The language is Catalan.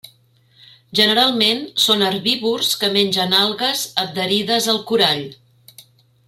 Generalment, són herbívors que mengen algues adherides al corall.